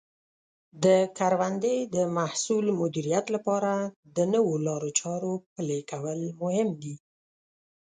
د کروندې د محصول مدیریت لپاره د نوو لارو چارو پلي کول مهم دي.